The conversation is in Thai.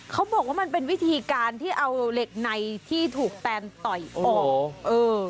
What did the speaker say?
เขาบอกว่ามันเป็นวิธีการที่เอาเหล็กในที่ถูกแตนต่อยออกเออ